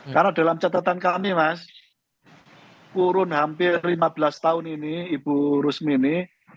karena dalam catatan kami mas kurun hampir lima belas tahun ini ibu rusmini